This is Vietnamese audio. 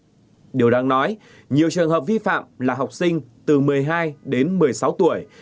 công an tỉnh thái nguyên đang nói nhiều trường hợp vi phạm là học sinh từ một mươi hai đến một mươi sáu tuổi